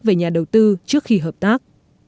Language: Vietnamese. về nhà đầu tư trước khi hợp tác